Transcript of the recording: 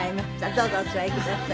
どうぞお座りください。